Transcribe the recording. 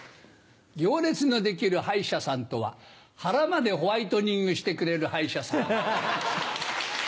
行列の出来る歯医者さんとは腹までホワイトニングしてくれる歯医者さん。